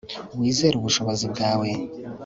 wizere ubushobozi bwawe